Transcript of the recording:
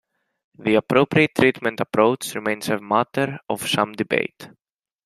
The appropriate treatment approach remains a matter of some debate.